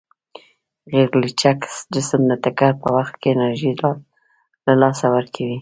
غیرلچک جسم د ټکر په وخت کې انرژي له لاسه ورکوي.